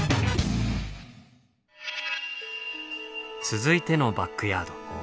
続いてのバックヤード。